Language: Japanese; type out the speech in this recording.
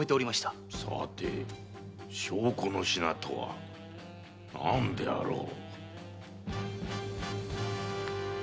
さて証拠の品とは何であろう？